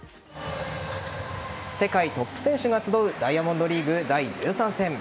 世界トップ選手が集うダイヤモンドリーグ第１３戦。